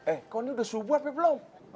eh kok ini udah subuh apa belum